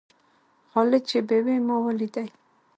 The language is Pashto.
خالد چې بېوى؛ ما وليدئ.